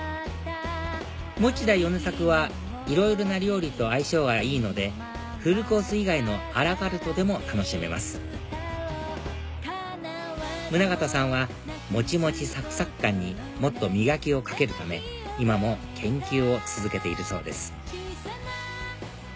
モチダヨネサクはいろいろな料理と相性がいいのでフルコース以外のアラカルトでも楽しめます宗形さんはもちもちサクサク感にもっと磨きをかけるため今も研究を続けているそうです